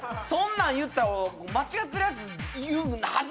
なん言ったら間違ってるやつ言うんはず